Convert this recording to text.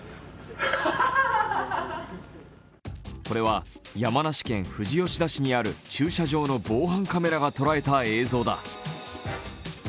これは山梨県富士吉田市にある駐車場の防犯カメラが捉えた映像だ。